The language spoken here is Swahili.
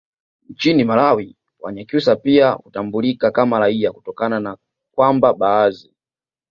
nchini malawi wanyakyusa pia hutambulikawa kama raia kutokana na kwamba baadhi